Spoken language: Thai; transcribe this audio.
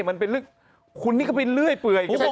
มันเป็นลึกคุณนี้ก็เป็นเลื่อยเปื่อย